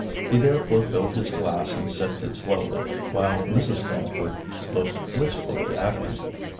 He therefore filled his glass and sipped it slowly, while Mrs. Stamford looked wistfully at him.